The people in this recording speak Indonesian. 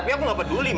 tapi saya tidak peduli